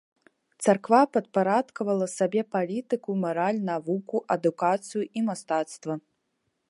Царква падпарадкавала сабе палітыку, мараль, навуку, адукацыю і мастацтва.